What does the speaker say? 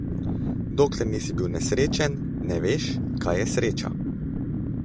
Dokler nisi bil nesrečen, ne veš, kaj je sreča.